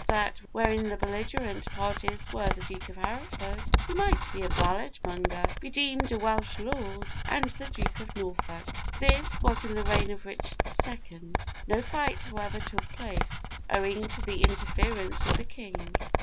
that wherein the belligerent parties were the Duke of Hereford (who might by a 'ballad monger' be deemed a Welsh lord) and the Duke of Norfolk. This was in the reign of Richard II. No fight, however, took place, owing to the interference of the king.